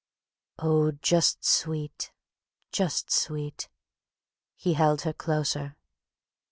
"Oh, just sweet, just sweet..." he held her closer.